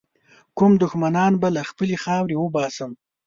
کوم دښمنان به له خپلي خاورې باسم.